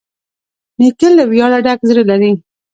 نیکه له ویاړه ډک زړه لري.